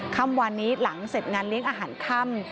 ค่ำวานนี้หลังเศษงานเลี้ยงอาหารจะข้าม